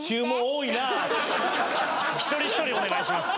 一人一人お願いします。